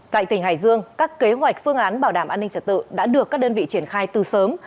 tại tỉnh hải dương các kế hoạch phương án bảo đảm an ninh trật tự đã được các đơn vị triển khai từ sớm